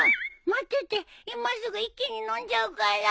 待ってて今すぐ一気に飲んじゃうから。